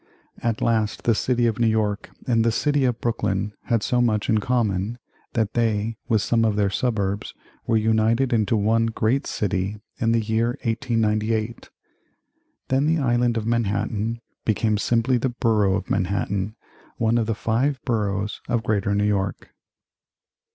At last the city of New York and the city of Brooklyn had so much in common, that they, with some of their suburbs, were united into one great city in the year 1898. Then the Island of Manhattan became simply the Borough of Manhattan, one of the five boroughs of Greater New York.